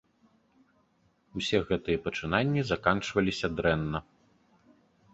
Усе гэтыя пачынанні заканчваліся дрэнна.